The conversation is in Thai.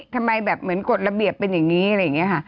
ทำไมแบบเหมือนกฎระเบียบเป็นอย่างนี้อะไรอย่างนี้ค่ะ